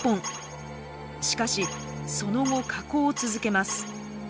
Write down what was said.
しかしその後下降を続けます。